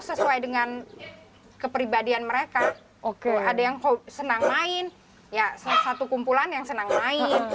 sesuai dengan kepribadian mereka ada yang senang main ya satu kumpulan yang senang main